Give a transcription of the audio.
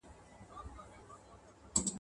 د جسمي فعالیت څخه لوېدل ..